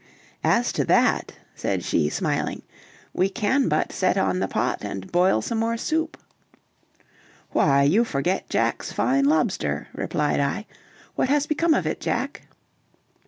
"As to that," said she smiling, "we can but set on the pot, and boil some more soup!" "Why, you forget Jack's fine lobster!" replied I. "What has become of it, Jack?"